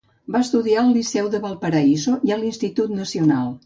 Va estudiar al Liceu de Valparaíso i a l'Institut Nacional.